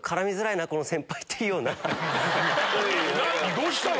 どうしたの？